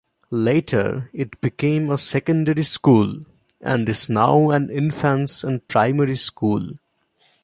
Later it became a secondary school and is now an infants and primary school.